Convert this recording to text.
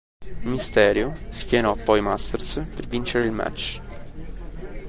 Mysterio schienò poi Masters per vincere il match.